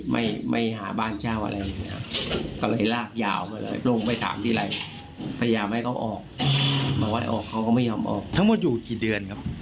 หมายว่าออกเขาก็ไม่ยอมออกทั้งหมดอยู่กี่เดือนครับ